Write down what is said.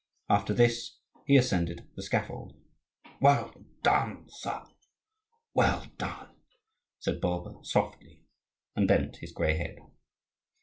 After this he ascended the scaffold. "Well done, son! well done!" said Bulba, softly, and bent his grey head.